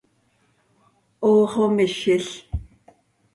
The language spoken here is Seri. ¡Hoox oo mizil!